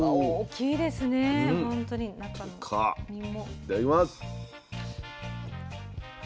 いただきます。